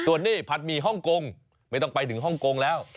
ส่วนนี้ผัดหมี่ฮ่องกงไม่ต้องไปถึงฮ่องกงแล้ว